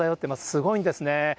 すごいんですね。